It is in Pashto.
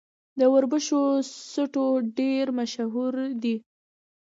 د وربشو سټو ډیر مشهور دی.